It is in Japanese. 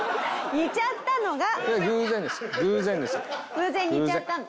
偶然似ちゃったの。